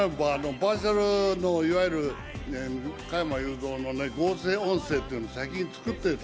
バーチャルの、いわゆる加山雄三の合成音声っていうのを先に作ってた。